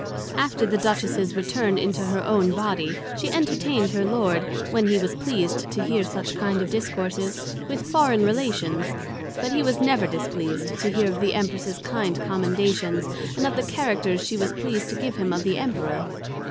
After the Duchess's return into her own body, she entertained her Lord (when he was pleased to hear such kind of Discourses) with Foreign Relations; but he was never displeased to hear of the Empress's kind Commendations, and of the Characters she was pleased to give of him to the Emperor.